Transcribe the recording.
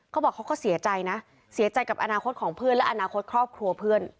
เขาบอกเขาก็เสียใจนะเสียใจกับอนาคตของเพื่อนและอนาคตครอบครัวเพื่อน